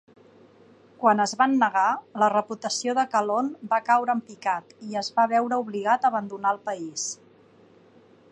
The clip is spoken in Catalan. Quan es van negar, la reputació de Calonne va caure en picat i es va veure obligat a abandonar el país.